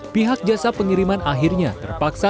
pihak jasa pengiriman akhirnya terpaksa